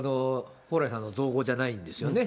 蓬莱さんの造語じゃないんですよね。